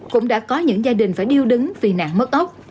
cũng đã có những gia đình phải điêu đứng vì nạn mất ốc